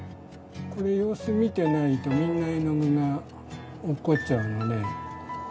これ様子見てないとみんな絵の具が落っこちちゃうので。